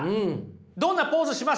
どんなポーズします？